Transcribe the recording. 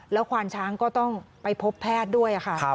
แล้วควานช้างก็ต้องไปพบแพทย์ด้วยค่ะ